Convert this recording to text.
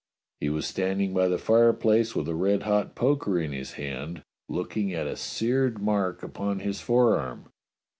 He was stand ing by the fireplace with a red hot poker in his hand, looking at a seared mark upon his forearm.